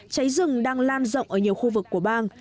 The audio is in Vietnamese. cháy rừng đang lan rộng ở nhiều khu vực của bang